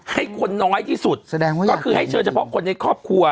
ให้คนน้อยที่สุดแสดงว่าก็คือให้เชิญเฉพาะคนในครอบครัว